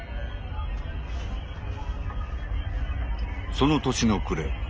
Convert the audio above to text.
その年の暮れ